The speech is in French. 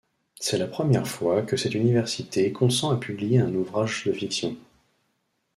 C'est la première fois que cette université consent à publier un ouvrage de fiction.